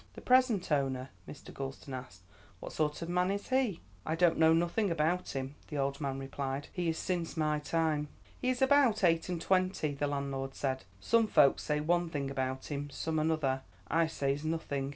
"The present owner," Mr. Gulston asked; "what sort of a man is he?" "I don't know nothing about him," the old man replied; "he is since my time." "He is about eight and twenty," the landlord said. "Some folks say one thing about him, some another; I says nothing.